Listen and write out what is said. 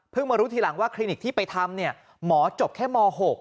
มารู้ทีหลังว่าคลินิกที่ไปทำหมอจบแค่ม๖